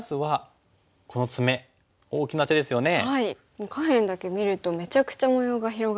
もう下辺だけ見るとめちゃくちゃ模様が広がってて。